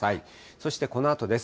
そしてこのあとです。